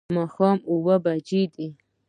ماښام اووه بجې دي